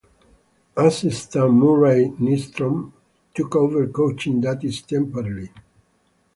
Assistant Murray Nystrom took over coaching duties temporarily.